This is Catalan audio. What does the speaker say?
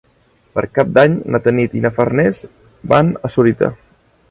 Per Cap d'Any na Tanit i na Farners van a Sorita.